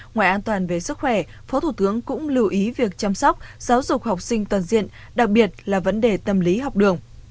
ngoài an toàn về sức khỏe phó thủ tướng cũng lưu ý việc chăm sóc giáo dục học sinh toàn diện đặc biệt là vấn đề tâm lý học đường